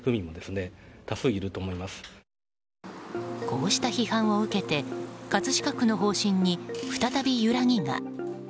こうした批判を受けて葛飾区の方針に再び揺らぎが。